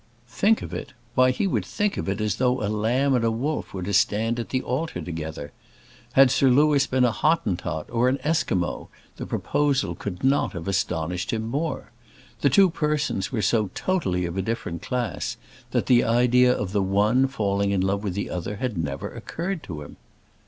Think of it! Why he would think of it as though a lamb and a wolf were to stand at the altar together. Had Sir Louis been a Hottentot, or an Esquimaux, the proposal could not have astonished him more. The two persons were so totally of a different class, that the idea of the one falling in love with the other had never occurred to him.